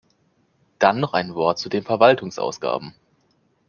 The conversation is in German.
Dann noch ein Wort zu den Verwaltungsausgaben.